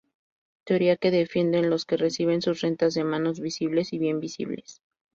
teoría que defienden los que reciben sus rentas de manos visibles y bien visibles